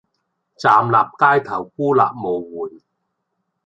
站立街頭孤立無援